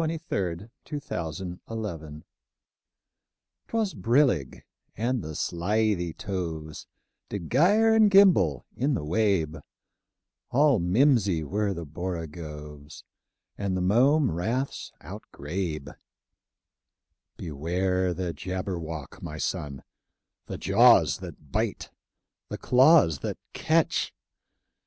" Lexicon[edit] "Jabberwocky" 'Twas brillig, and the slithy toves Did gyre and gimble in the wabe; All mimsy were the borogoves, And the mome raths outgrabe. "Beware the Jabberwock, my son! The jaws that bite, the claws that catch!